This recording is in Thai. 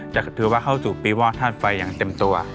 จะถือว่าเข้าสู่ปีว่อธาตุไฟอย่างเต็มตัว